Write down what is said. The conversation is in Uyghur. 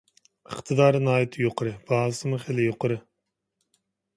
ئىقتىدارى ناھايىتى يۇقىرى، باھاسىمۇ خىلى يۇقىرى.